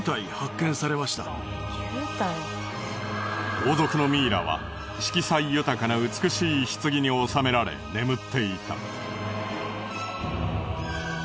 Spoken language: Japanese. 王族のミイラは色彩豊かな美しい棺に納められ眠っていた。